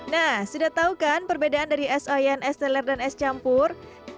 nah sudah tahu kan perbedaan dari es oyen es teler dan es campur